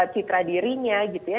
citra dirinya gitu ya